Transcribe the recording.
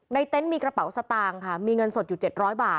ในเต้นมีกระเป๋าสตางค์ค่ะมีเงินสดอยู่เจ็ดร้อยบาท